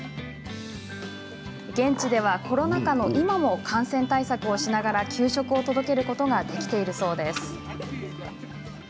現地ではコロナ禍の今も感染対策をしながら給食を届けることができているそうです。